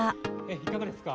いかがですか？